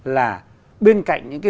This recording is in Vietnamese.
là bên cạnh những cái